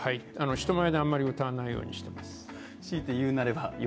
人前であんまり歌わないようにしています。